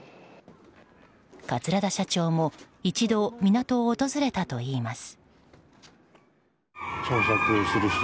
桂田社長も一度港を訪れたといいます。